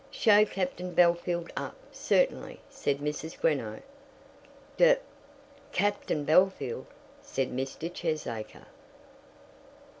"Show Captain Bellfield up, certainly," said Mrs. Greenow. "D Captain Bellfield!" said Mr. Cheesacre.